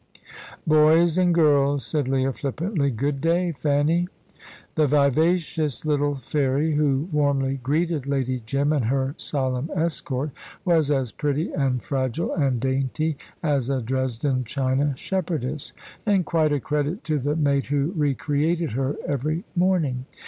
"Boys and girls," said Leah, flippantly. "Good day, Fanny." The vivacious little fairy who warmly greeted Lady Jim and her solemn escort was as pretty and fragile and dainty as a Dresden china shepherdess, and quite a credit to the maid who re created her every morning.